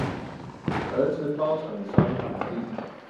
而承包廠商倒閉